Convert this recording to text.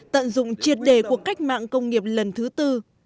tận dụng triệt đề của cách mạng công nghiệp lần thứ tư